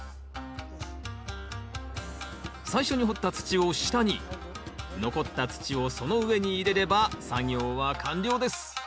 最初に掘った土を下に残った土をその上に入れれば作業は完了です